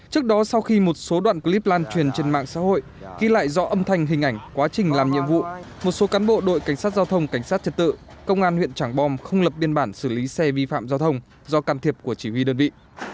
trước đó sau khi một số đoạn clip lan truyền trên mạng xã hội ghi lại do âm thanh hình ảnh quá trình làm nhiệm vụ một số cán bộ đội cảnh sát giao thông cảnh sát trật tự công an huyện trảng bom không lập biên bản xử lý xe vi phạm giao thông do can thiệp của chỉ huy đơn vị